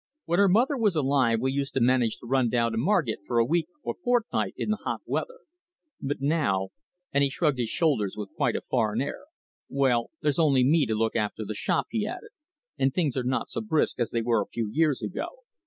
When her mother was alive we used to manage to run down to Margit for a week or fortnight in the hot weather. But now " and he shrugged his shoulders with quite a foreign air. "Well, there's only me to look after the shop," he added. "And things are not so brisk as they were a few years ago."